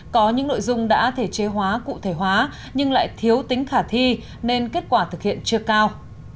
có những nội dung đã thể chế hóa cụ thể hóa nhưng lại thiếu tính khả thi nên kết quả thực hiện chưa cao